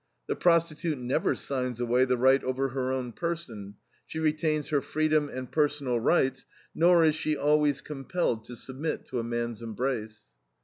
The prostitute never signs away the right over her own person, she retains her freedom and personal rights, nor is she always compelled to submit to a man's embrace."